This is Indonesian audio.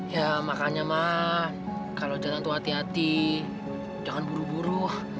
ya makanya mah kalau jalan tuh hati hati jangan buru buru